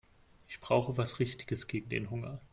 Ich brauche was Richtiges gegen den Hunger.